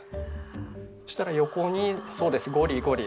そしたら横にそうですゴリゴリ。